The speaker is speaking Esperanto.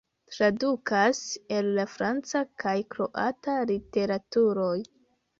Tradukas el la franca kaj kroata literaturoj.